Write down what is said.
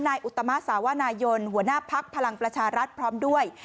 อุตมะสาวนายนหัวหน้าพักพลังประชารัฐพร้อมด้วย